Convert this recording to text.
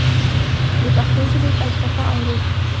د پښتو ژبې فلسفه او روح